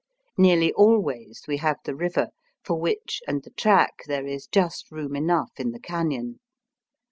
Nearly always we have the river, for which and the track there is just room enough in the cafion.